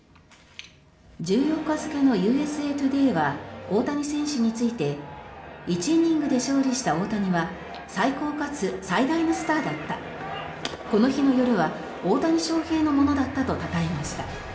１４日付のＵＳＡトゥデーは大谷選手について１イニングで勝利した大谷は最高かつ最大のスターだったこの日の夜は大谷翔平のものだったとたたえました。